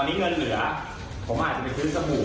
อันนี้เงินเหลือผมอาจจะไปซื้อสบู่